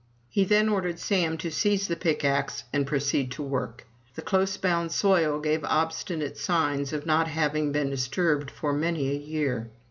He then ordered Sam to seize the pickaxe and proceed to work. The close bound soil gave obstinate signs of not having been disturbed for many a year.